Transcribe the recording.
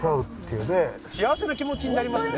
幸せな気持ちになりますね。